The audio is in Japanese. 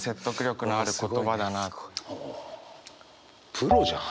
プロじゃん！